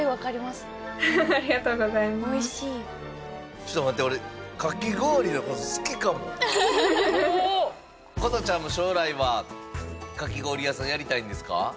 ちょっと待って俺瑚都ちゃんも将来はかき氷屋さんやりたいんですか？